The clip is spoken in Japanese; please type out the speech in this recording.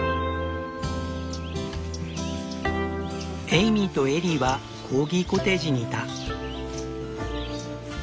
エイミーとエリーはコーギコテージにいた。